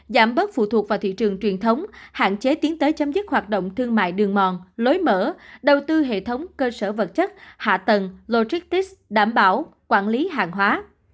giảm bớt phụ thuộc vào thị trường truyền thống hạn chế tiến tới chấm dứt hoạt động thương mại đường mòn lối mở đầu tư hệ thống cơ sở vật chất hạ tầng logistics đảm bảo quản lý hàng hóa